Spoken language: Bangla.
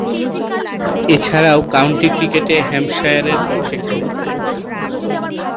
এছাড়াও, কাউন্টি ক্রিকেটে হ্যাম্পশায়ারের পক্ষে খেলেন।